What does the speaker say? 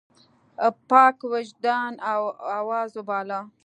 پاک وجدان آواز وباله.